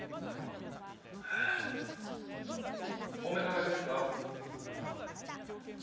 お目覚めですか？